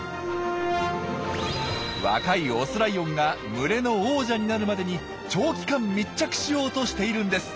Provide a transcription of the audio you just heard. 若いオスライオンが群れの王者になるまでに長期間密着しようとしているんです。